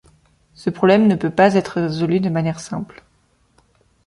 Ce problème ne peut pas être résolu de manière simple.